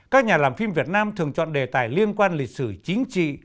các nhà làm phim việt nam thường chọn đề tài liên quan lịch sử chính trị